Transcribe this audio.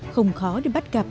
không khó để bắt gặp